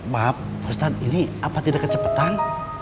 maaf ustadz ini apa tidak kecepatan